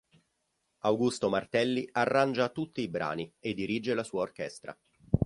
Augusto Martelli arrangia tutti i brani e dirige la sua orchestra.